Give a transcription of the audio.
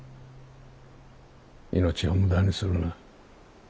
命を無駄にするな。